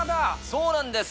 そうなんです。